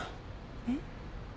えっ？